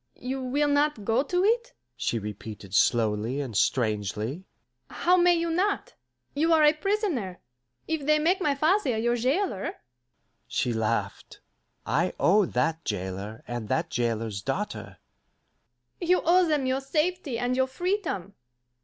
"You will not go to it?" she repeated slowly and strangely. "How may you not? You are a prisoner. If they make my father your jailer " She laughed. "I owe that jailer and that jailer's daughter " "You owe them your safety and your freedom.